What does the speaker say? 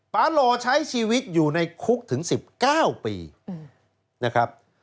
ปาหล่อใช้ชีวิตอยู่ในคุกถึง๑๙ปีนะครับ